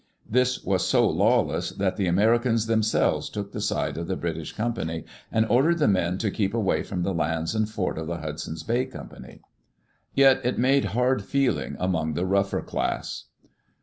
This was so lawless that the Americans themselves took the side of the British com pany and ordered the men to keep away from the lands and fort of the Hudson's Bay Company. Yet it made hard feeling among the rougher class.